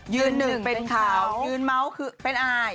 ยืนหนึ่งเป็นข่าวยืนเมาส์คือเป็นอาย